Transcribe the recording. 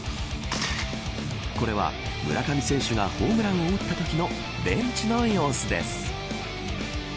これは、村上選手がホームランを打ったときのベンチの様子です。